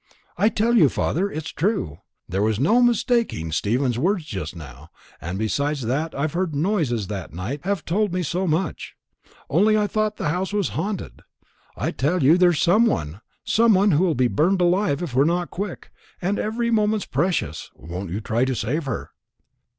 "I tell you, father, it is true. There was no mistaking Stephen's words just now, and, besides that, I've heard noises that might have told me as much, only I thought the house was haunted. I tell you there is some one some one who'll be burnt alive if we're not quick and every moment's precious. Won't you try to save her?"